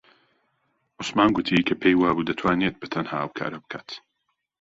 عوسمان گوتی کە پێی وابوو دەتوانێت بەتەنها ئەو کارە بکات.